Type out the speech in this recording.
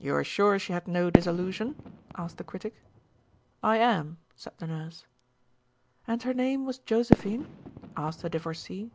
"You are sure she had no disillusion?" asked the Critic. "I am," said the Nurse. "And her name was Josephine?" asked the Divorcée.